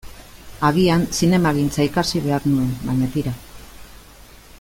Agian zinemagintza ikasi behar nuen, baina tira.